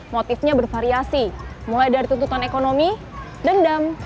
motifnya bervariasi mulai dari tuntutan ekonomi dendam